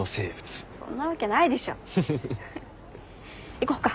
行こうか。